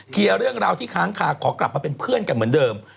เรื่องราวที่ค้างคาขอกลับมาเป็นเพื่อนกันเหมือนเดิม